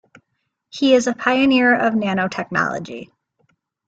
He is a pioneer of nanotechnology.